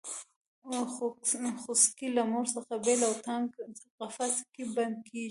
خوسکی له مور څخه بېل او تنګ قفس کې بندي کېږي.